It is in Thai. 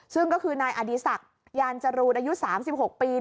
ซึ่งก็คือนายอดีศักดิ์ยานจรูนอายุ๓๖ปี